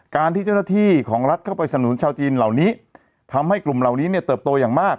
การที่เจ้าหน้าที่ของรัฐเข้าไปสนุนชาวจีนเหล่านี้ทำให้กลุ่มเหล่านี้เนี่ยเติบโตอย่างมาก